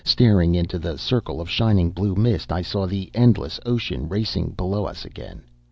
Staring into the circle of shining blue mist, I saw the endless ocean racing below us again.